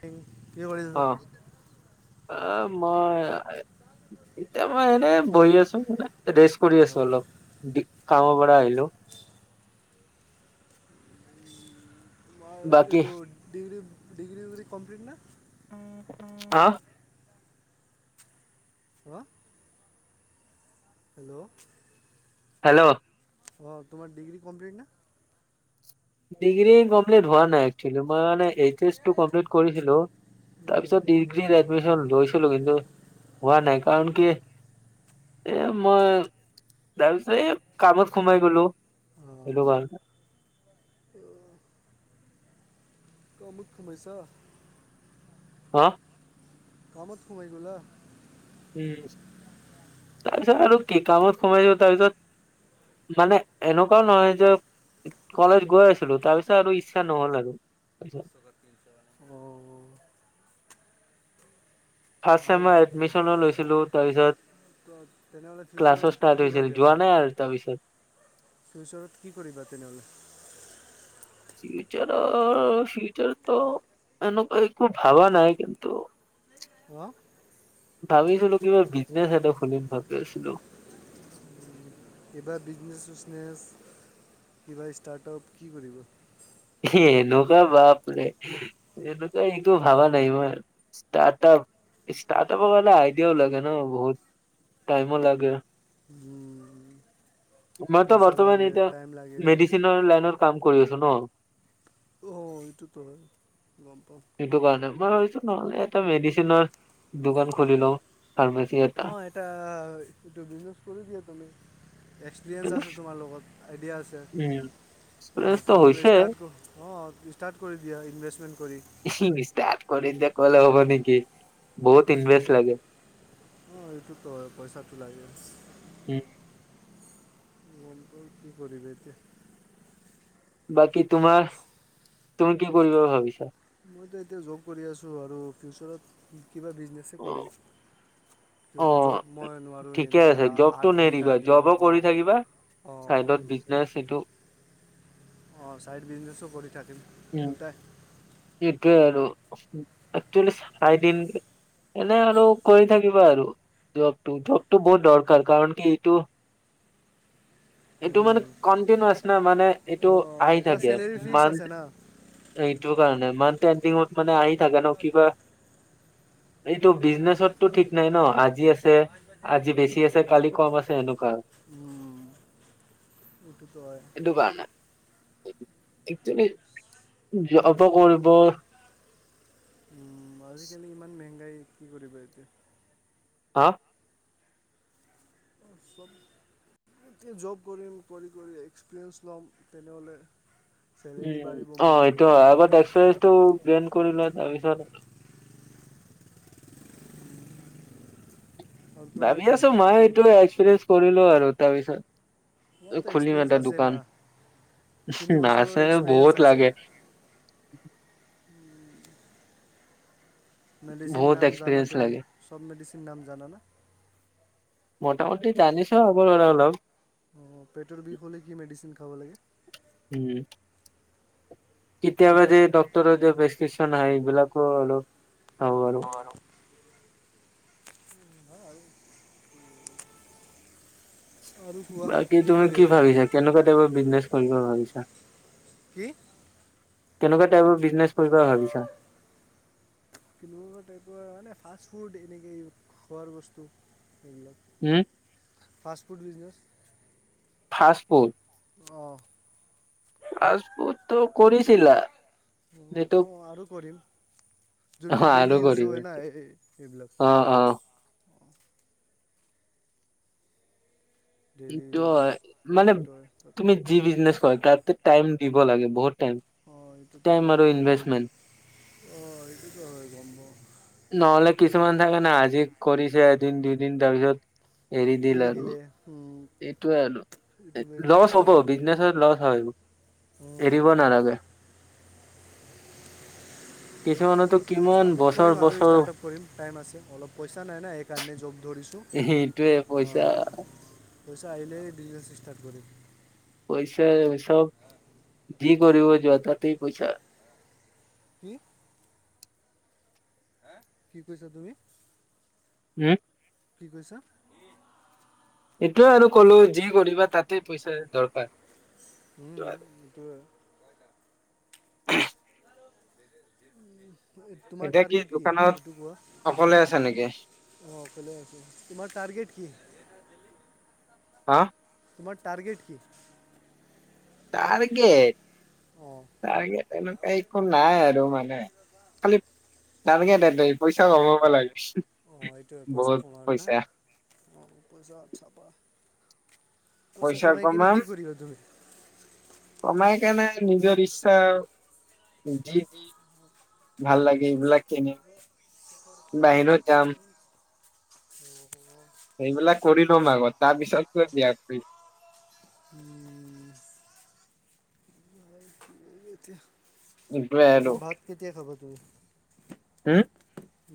কি কৰি আছা? অহ এ মই এতিয়া মই এনেই বহি আছো মানে ৰেষ্ট কৰি অ আছো অলপ। কামৰ পৰা আহিলো। [unintelligible] তোমাৰ বাকী এইটো ডিগ্ৰী ডিগ্ৰী ডিগ্ৰী কমপ্লিট নে? অ অহ হেল্লো। হেল্লো অ তোমাৰ ডিগ্ৰী কমপ্লিট না? ডিগ্ৰী কমপ্লিট হোৱা নাই একচুৱেলি মই মানে এইচ এছ টো কমপ্লিট কৰিছিলো। তাৰপিছত ডিগ্ৰীত এডমিশন লৈছিলো কিন্তু হোৱা নাই কাৰণ কি এ মই তাৰ পিছত এ কামত সোমাই গলো সেইটো কাৰনে। উম। কামত সোমাইছা? অহ কামত সোমাই গলা? উম তাৰপিছত আৰু কি কামত সোমাইছো তাৰপিছত মানে এনেকুৱাও নহয় যে কলেজ গৈ আছিলো তাৰপিছত আৰু ইচ্ছা নহ'ল আৰু। অঁ ফাৰ্ষ্ট আৰু ছেমৰ এডমিচনো লৈছিলো তাৰপিছত ত- তেনেহ'লে ক্লাছো ফিউচাৰত ষ্টাৰ্ট কি হৈছিল ভাবি যোৱা আছা? নাই আৰু তাৰপিছত ফিউচাৰত কি কৰিবা তেনেহ'লে? [inaudible] ফিউচাৰৰ ফিউচাৰটো এনেকুৱা একো ভাবা নাই কিন্তু অহ ভাবিছিলো কিবা বিজনেচ এটা খুলিম ভাবি আছিলো। এইবাৰ বিজনেছ-চিজনেছ কিবা ষ্টাৰ্টআপ কি কৰিবা? এনেকুৱা বাপৰে এনেকুৱা এইটো ভাবা নাই মই ষ্টাৰ্টআপ ষ্টাৰ্টআপাৰ কাৰণে আইডিয়াও লাগে ন বহুত। টাইমো লাগে। উম মইতো পইচা বৰ্তমান লাগে এতিয়া টাইম লাগে মেডিচিনৰ লাইনত কাম কৰি আছো ন। অহ এইটোতো হয় গম পাওঁ। সেইটো কাৰণে। মই ভাবিছো নহ'লে এটা মেডিচিনৰ দোকান খুলি লওঁ ফাৰ্মাচী অহ এটা এইটো বিজনেছ কৰি দিয়া তুমি এক্সপিৰিয়েঞ্চ কিন্তু আছে তোমাৰ লগত। আইডিয়া আছে, উম, অহ ব্যস্ত তেনে'লে হৈছে ষ্টাৰ্ট কৰো অ ষ্টাৰ্ট কৰি দিয়া ইনভেষ্টমেণ্ট কৰি। ষ্টাৰ্ট কৰি দিয়া কলে হ'ব নেকি বহুত ইনভেষ্ট লাগে। অ এইটোতো হয় পইচাটো লাগে। উম। গম পাওঁ কি কৰিব এতিয়া। বাকী তোমাৰ তুমি কি কৰিবা ভাবিছা? মইতো এতিয়া জোব কৰি আছোঁ আৰু ফিউচাৰত কিবা বিজনেছে কৰিম। কি অ', জব মই? নোৱাৰোঁ ঠিকে এনেকা আছে জব আঠ টো ঘণ্টা নেৰিবা দিব জবো অঁ কৰি থাকিবা অঁ চাইডত বিজনেচ সেটো। অঁ ছাইড বিজনেছো কৰি থাকিম। দুটাই [unintelligible] [unintelligible] এনে আৰু কৰি থাকিবা আৰু, জবটো জবটো বহুত দৰকাৰ কাৰণ কি এইটো এইটো মানে উম, কনটিনাচ ন মানে এইটো অঁ আহি এটা থাকে চেলেৰি ফিক্স মান। আছে এইটো কাৰণে মান এডিঙত মানে আহি থাকে ন কিবা। এইটো বিজনেচতো ঠিক না নাই ন আজি আছে আজি বেছি আছে। কালি কম আছে এনেুৱা। উটোুটয় [unintelligible] সেইটো কাৰণে একেল জব আজি গল, উম আজিকালি ইমান মেংগাই কি কৰিবা এতিয় হা [unintelligible] এ জব কৰিম কৰি কৰি এক্সপিৰিয়েঞ্চ ল'ম তেনেহ'লে। চেলেৰী উম বাঢ়িব অ মোৰ সেইটো হয় আৰু আগ অ', এক্সপিৰিয়েঞ্চটো গ্ৰন কৰি ল তাৰপিছত আৰু তোমাৰ ভাবি কি আছো মই তুম এইটো এক্সপিৰিয়েঞ্চ কৰিলো আৰু তাৰপিছত। তোমাৰতো খুলিি এক্সপিৰিয়েঞ্চ মটা আছে না। দোকান তিনি বছৰৰ নছে এক্সপিৰিয়েঞ্চ বহত আছে। লাগে। মেডিচিন বহুত নাম জানা এক্সপিৰিয়েঞ্চ তুমি লাগে চব মেডিচিন নাম জানাানা? প্ৰথমতে জানিচিলোঅলপ? অঁ পেটৰ বিষ হ'লে কি মেডিচিন খাব লাগে। উম্ কেতিয়াবা যে ডাক্তৰৰ যে প্ৰেছক্ৰিপশ্যন আহে এইবিলাকো অলপ। চাওঁ আৰু উ [unintelligible] নহয় আৰু আৰু কোৱা বাকী তুমি কৰি কি আছা? ভাবিছা কেনেকুৱা টাইপৰ বিজনেছ কৰিব ভাবিছা? কি কেনেকুৱা তাইপৰ বিজনেছ কৰিব বলি ভাবিছা? ফিল টাইপৰ মানে ফাষ্ট ফুড এনেকৈ খোৱাৰ বস্তু এইেইবিলাক। হও [unintelligible] ফাষ্ট ফুড ব বিজনেছ। Fast food. অঁ্ ফাষ্টফুড ত কৰিছিলা এটো। অঁ আৰু কৰিম। অ যোনটো ডেইলি আৰু ইউজ কৰিম হয় না এই এইবিলাক অ অ্ ডেইলি ত ইউজ মানে প্ৰফিট হয় তাতে তুমি যি বিজনেছ কৰা তাত টাইম দিব লাগে বহুত টাইম। অ এইটোতো টাইম হয়, আৰু ইনভেষ্টমেন্ট ্অ এইটোতো হয় গম পা্ নহ'লে কিছুমান থাকে নাই আজি কৰিছে এদিন দুইদিন তাৰপিছত। দিল এৰি আৰু দিলে, এইটোয়ে এইটো আৰু বিজনেছ লছ ফ্লপ হ'ব যাব বিজনেচত লছ হয়, এৰিব নালাগে কিছুমানতো। কিমান ষ্টাৰ্টআপ বছৰ কৰিম আৰু বছৰ ষ্টাৰ্টআপ কৰিম টাইম আছে অলপ পইচা নাই নাই সেইকাৰণে জব ধৰিছোঁ। সেইটয়ে পইচা? অঁ, পইচা, আহিল বিজনেছ ষ্টাৰ্ট কৰিম। পইচা চব, যি কৰিব যোৱা তাতেই পইচা। কি? বা, কি কৈছা তুমি? উম, কি কৈছা? এইটোৱেই আৰু কলো, যি কৰিবা তাতেই পইচা দৰকাৰ। এইটো উম, আৰু। এইটোৱেই। তোমাৰ এতিয়া টাৰ্গেট কি, দোকানত এইটো কোৱা? অকলে আছা নেকি অ, ভালে আছো, তোমাৰ টাৰ্গেট কি? আ, তোমাৰ টাৰ্গেট কি? টাৰ্গেট, অ', টাৰ্গেট এনেকুৱা একো নাই আৰু মানে। খালি টাৰ্গেট এটাই, পইচা কমাব লাগে। অ, এইটোৱেই পইচা বহুত কমাবা না, পইচা অ, পইচা চাবা। পইচা কমাই কিনি কি কৰিবা তুমি? কমাই কেনে, নিজৰ ইচ্ছা, যিটি ভাল লাগে, এইবিলাক কিনিম। বাহিৰত যাম [inaudible] [inaudible] সেইবিলাক কৰি ল'ম আগত, তাৰ পিছতেই বিয়া কৰিম। উম, উম, এতিয়া আৰু ভাত কেতিয়া খাবা তুমি? উম,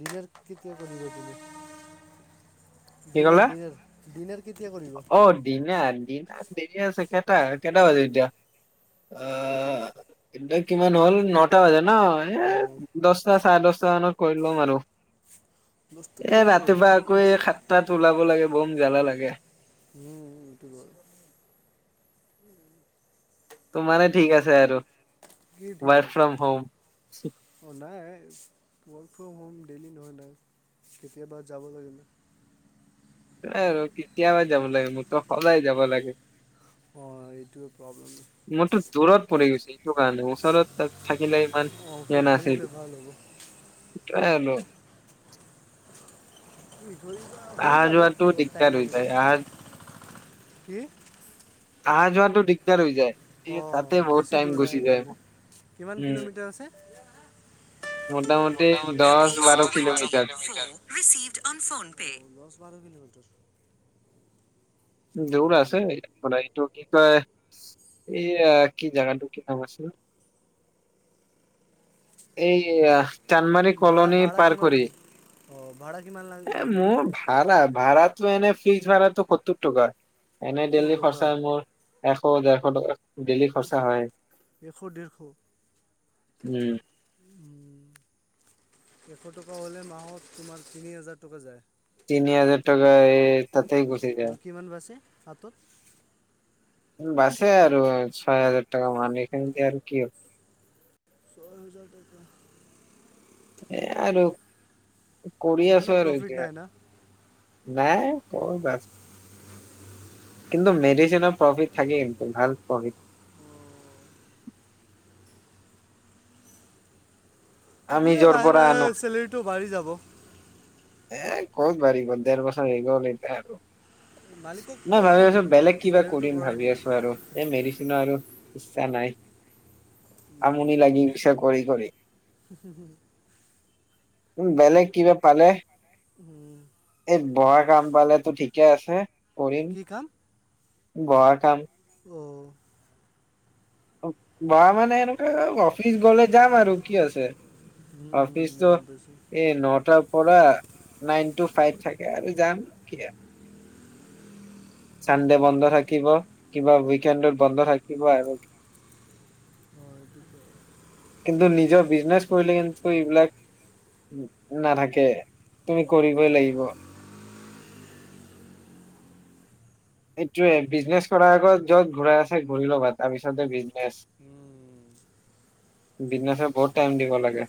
ডিনাৰ, কেতিয়া কৰিবা তুমি? কি ডিনাৰ, ক'লা ডিনাৰ, ডিনাৰ কেতিয়া কৰিবা? অ, ডিনাৰ, ডিনাৰ দেৰি আছে, কেইটা, কেইটা বাজে এতিয়া আ এতিয়া কিমান হ'ল, নটা বাজিল ন, অ' এই দহটা চাৰে দশটা মানত কৰি ল'ম আৰু। দহটাত এ, কৰি ল'বা। ৰাতিপুৱা আকৌ এই সাতটাত ওলাব লাগে, বম জালা লাগে। উম, ইটো হয়। তোমাৰেই ঠিক আছে আৰু, ৱাইফ ফ্ৰমহ'ম‌ হোম। অ, নাই, ৱৰ্ক ফ্ৰম হোম, ডেইলি নহয় নহয়, কেতিয়াবা যাব লাগে নহয়। এই আৰু কেতিয়াবা যাব লাগে, মোৰটো সদায় যাব লাগে। অ, এইটোৱেই প্ৰবলেম। মোৰটো দূৰত পৰি গৈছো, এইটো কাৰণে, ওচৰত থাকিলে ইমান অ, ইয়া ওচৰত নাছিল থাকিলে ভাল হ'ব। [unintelligible] কি হৈ যাব, হৈ অহা যাব, যোৱাটো অলপ টাইম দিগদাৰ হৈ লাগিব যায় অহা কি? অহা যোৱাটো, দিগদাৰ হৈ যায়। এ অ, তাতে বহুত বেছি টাইম দূৰ না গুচি যায় সেইকাৰণে, কিমান উম কিলোমিটাৰ আছে? মোটামোটি দহ, বাৰ কিলোমিটাৰ ৰিচিভ অ'ন, ফ'নপে, অ, দহ বাৰ কিলোমিটাৰ। দূৰ আছে, উম, এইটো কি কয়? এইয়া কি জাগাটো, কি নাম আছিল? এই চানমাৰি আহ চান্দমাৰী ভাড়া কলনী ভাড়া পাৰ কিমান কৰি, অঁ ভাড়া কিমান লাগ এ মোৰ- ভাড়া ভাড়াটো, এনেই ফ্ৰিকচ ভাড়াটো সত্তৰ টকা, এনেই সত্তৰ দেইলি টকা খৰ্চ্চা মোৰ এশ, ডেৰশ টকা, ডেলি খৰচা হয়ে, এশ ডেৰশ উমঁ। এশ টকা হ'লে, মাহত তোমাৰ তিনি হাজাৰ টকা যায়। তিনি হেজাৰ টকা এই তাতে গুচি যায়। আৰু কিমান বাছে হাতত? বাছে আৰু ছয় হাজাৰ টকা মান, এইখিনিয়েই আৰু কি হ'ব। ছয় হাজাৰ টকা এ আৰু কৰি ইমানো আছো আৰু প্ৰফিট নাই এতিয়া। না নাই কত বাছ কিন্তু মেডিচিনৰ প্ৰফিট থাকে কিন্তু ভাল প্ৰফিট। আমি দিয়ে, যৰ লাহে পৰা লাহে আনো চেলেৰিটো বাঢ়ি যাব। এ ক'ত বাঢ়িব ডেৰ বছৰ হৈ গ'ল, এতিয়া আৰু মালিকক নাই কোৱা ভাবি আছো, তুমি বেলেগ কিবা চেলেৰিটো কৰিম বঢ়াই ভাবি দিয়া আছো আৰু। এ মেডিচিনৰ আৰু ইচ্ছা নাই, উম, আমনি লাগি গৈছে কৰি কৰি। [unintelligible] উ, বেলেগ কিবা পালে। উম। এই বহা কাম পালেতো ঠিকে আছে, কৰিম কি কাম বহা কাম। অ' বহা মানে এনেকুৱা অফিচ গলে যাম আৰু কি আছে। উম, অফিচত গম পাইছোঁ এই নটাৰ পৰা নাইন টু ফাইভ থাকে আৰু যাম কি আৰু। চানডে বন্ধ থাকিব, কিবা উইকেন্দত বন্ধ থাকিব আৰু অ', এইটো [unintelligible] কিন্তু নিজৰ বিজনেছ কৰিলে কিন্তু এইবিলাক নাথাকে তুমি কৰিবই লাগিব। অ', এইটোয়ে বিজনেছ কৰাৰ আগত য'ত ঘূৰা আছে, ঘূৰি ল'বা, তাৰ পিছতহে বিজনেচ। উম, বিজনেচত বহুত টাইম দিব লাগে।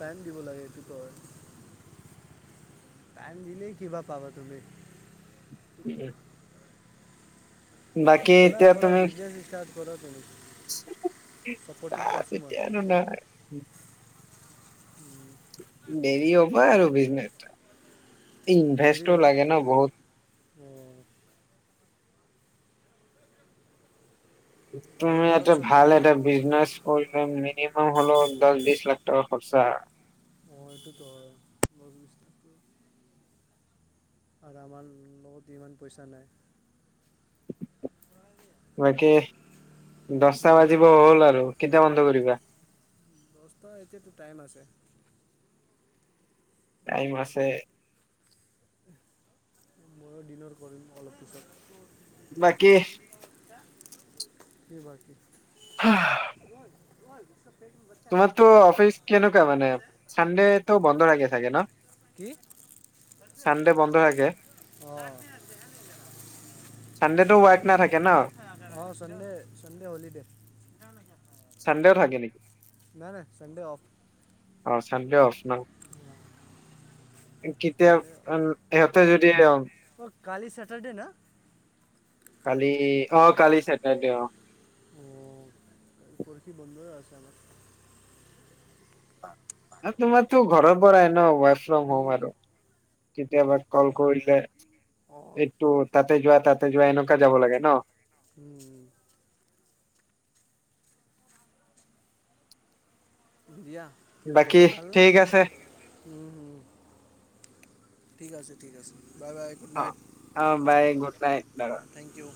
টাইম দিব লাগে এইটোটো হয়। টাইম দিলেই কিবা পাবা তুমি। [unintelligible] বাকী কৰা এতিয়া কৰা তুমি বিজনেচ ষ্টাৰ্ট কৰা তুমি। চাপৰ্টত তাত আছো মই, এতিয়া আৰু নাই উম। দেৰি হ'ব আৰু বিজনেচত, দেৰি হ'ব ইনভেষ্টও লাগে ন বহুত। অ', আৰু তুমি ঘৰত এটা চব ভাল না এটা বিজনেচ কৰিলেও মিনিমাম হলেও, দহ বিশ লাখ টকা খৰচা। অ', এইটোতো হয়, দশ বিশ লাখ। আৰু আমাৰ ল-লগত ইমান পইচা নাই। বাকী, দচটা বাজিব হ'ল আৰু কেতিয়া বন্ধ কৰিবা? দচটা, এতিয়াতো টাইম আছে। টাইম অঁ আছে। ময়ো ডিনাৰ কৰিম অলপ পিছত। বাকী। কি বাকী [unintelligible] তোমাৰতো অফিচ কেনেকুৱা মানে চানডেটো বন্ধ থাকে চাগে ন? কি? চানডে বন্ধ থাকে অ'। চানডেটো [unintelligible] নাথাকে ন। অ' চানডে চানডে হলিডে। [unintelligible] চানডেও থাকে নেকি? নাই নাই চাণ্ডে অফ'। অ' চানডে অফ ন? কেতিয়া সণ্ডে সিহঁতে যদি অ'। অ' কালি চেটাৰডে না? কালি অ' কালি চেটাৰডে অ'। অঁ পৰহি বন্ধই আছে আমাৰ। এ তোমাৰটো ঘৰৰ পৰাই ন, ৱৰ্ক ফ্ৰম হোম আৰু। কেতিয়াবা কল কৰিলে অঁ এইটো তাতে যোৱা তাতে যোৱা এনেকুৱা যাব লাগে ন। [inaudible] দিয়া, আৰু বাকী চব ভালনে? ঠিক আছে উম, ঠিক আছে ঠিক আছে। Bye bye! গুড নাইট অ' অ' বাই গুড নাইট অঁ [unintelligible] থেংক ইউ!